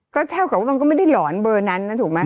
ก็เท่ากับว่ามันก็ไม่ได้หลอนเบอร์นั้นนะถูกไหม